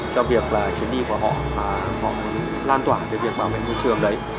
cho việc là chuyến đi của họ họ lan tỏa cái việc bảo vệ môi trường đấy